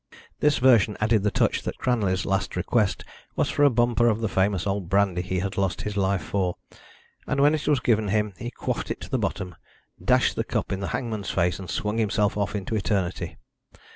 This version added the touch that Cranley's last request was for a bumper of the famous old brandy he had lost his life for, and when it was given him he quaffed it to the bottom, dashed the cup in the hangman's face, and swung himself off into eternity.